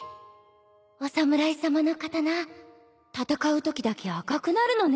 お侍さまの刀戦うときだけ赤くなるのね。